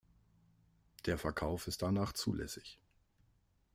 Der Verkauf ist danach zulässig.